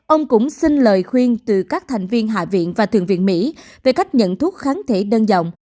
ông cũng xin lời khuyên từ các thành viên hạ viện và thượng viện mỹ về cách nhận thuốc kháng thể đơn giản